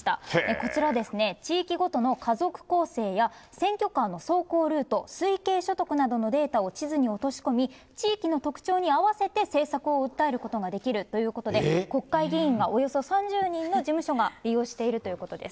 こちらですね、地域ごとの家族構成や選挙カーの走行ルート、推計所得などのデータを地図に落とし込み、地域の特徴に合わせて、政策を訴えることができるということで、国会議員がおよそ３０人の事務所が利用しているということです。